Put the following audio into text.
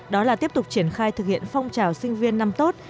đó là tiếp tục triển khai thực hiện phong trào sinh viên năm tốt